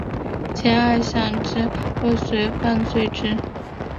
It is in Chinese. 前二项之未遂犯罚之。